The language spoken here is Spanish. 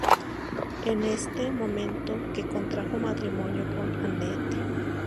Es en este momento que contrajo matrimonio con Anette.